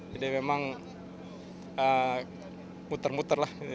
jadi memang muter muter lah